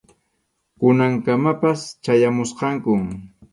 Kunankamapas chayamuchkankum.